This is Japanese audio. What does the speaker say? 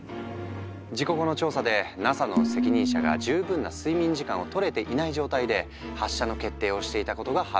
事故後の調査でＮＡＳＡの責任者が十分な睡眠時間をとれていない状態で発射の決定をしていたことが判明した。